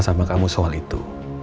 sama kamu soal itu